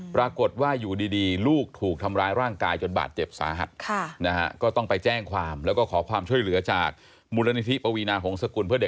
ปรากฏว่าอยู่ดีลูกถูกทำร้ายร่างกายจนบาดเจ็บสาหัส